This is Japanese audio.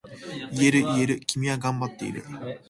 言える言える、君は頑張っている。